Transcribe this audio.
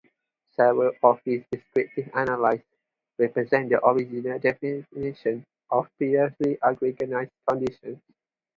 Several of his descriptive analyses represent the original definition of previously unrecognized conditions.